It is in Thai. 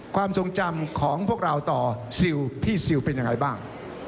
ความทรงจำของพวกเราต่อซิลพี่ซิลเป็นยังไงบ้าง